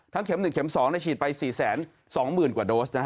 เข็ม๑เม็ม๒ฉีดไป๔๒๐๐๐กว่าโดส